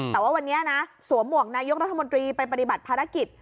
แต่ว่าวันนี้นะสวมหมวกนายกรัฐมนตรีไปปฏิบัติภารกิจ